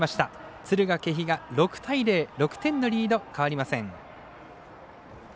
敦賀気比が６対０、６点のリード変わりません。